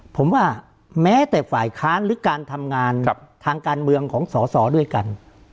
ผมว่าแม้แต่ฝ่ายค้านหรือการทำงานทางการเมืองของสอสอด้วยกัน